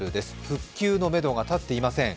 復旧のめどが立っていません。